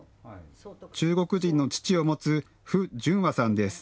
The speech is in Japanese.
中国人の父を持つ符順和さんです。